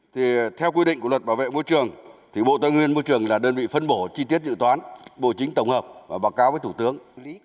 thì theo quy định của luật bảo vệ môi trường thì bộ tài nguyên môi trường là đơn vị phân bổ chi tiết dự toán bộ chính tổng hợp và báo cáo với thủ tướng